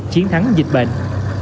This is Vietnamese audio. chiến thắng dịch bệnh